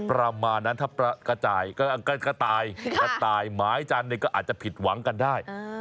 ประมาณนั้นถ้ากระต่ายไม้จันทร์ก็อาจจะผิดหวังกันได้